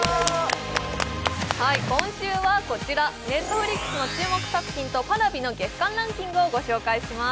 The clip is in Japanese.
今週はこちら、Ｎｅｔｆｌｉｘの注目作品とＰａｒａｖｉの月間ランキングをご紹介します。